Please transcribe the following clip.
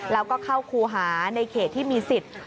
แล้วก็เข้าครูหาในเขตที่มีสิทธิ์